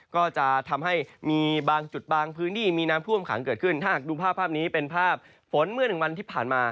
ก็จะทำให้มีบางจุดบางพื้นที่มีน้ำท่วมขังเกิดขึ้นถ้าหากดูภาพภาพนี้เป็นภาพฝนเมื่อหนึ่งวันที่ผ่านมา